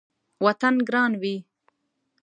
وطن ګران وي